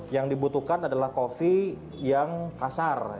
yang dibutuhkan adalah kopi yang kasar